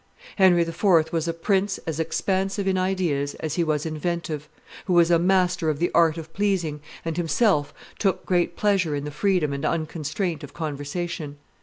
Henry IV. was a prince as expansive in ideas as he was inventive, who was a master of the art of pleasing, and himself took great pleasure in the freedom and unconstraint of conversation.